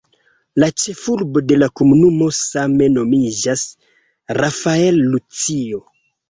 La ĉefurbo de la komunumo same nomiĝas "Rafael Lucio".